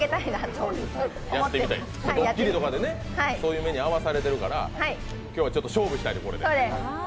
ドッキリとかでね、そういう目に遭わされてるから今日は勝負したいと。